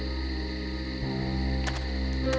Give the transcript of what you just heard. aku bawa arsena kalau tiwek